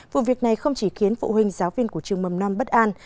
vụ việc này không chỉ khiến phụ huynh giáo viên của trường mầm non bất an